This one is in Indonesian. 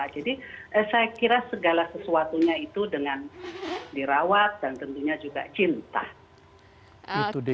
jadi saya kira segala sesuatunya itu dengan dirawat dan tentunya juga cinta